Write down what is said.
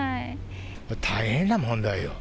大変な問題よ。